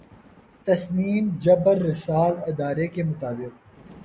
تسنیم خبررساں ادارے کے مطابق